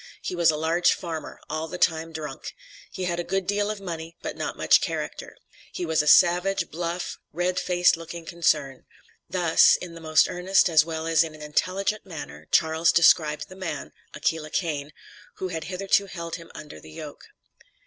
He was a large farmer, all the time drunk. He had a good deal of money but not much character. He was a savage, bluff, red face looking concern." Thus, in the most earnest, as well as in an intelligent manner, Charles described the man (Aquila Cain), who had hitherto held him under the yoke.